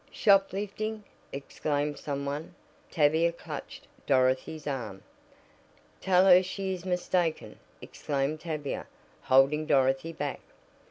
"Shoplifting!" exclaimed some one. Tavia clutched Dorothy's arm. "Tell her she is mistaken!" exclaimed Tavia, holding Dorothy back.